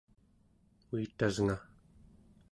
uitasnga